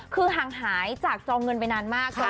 คือห่างหายจากจองเงินไปนานมาก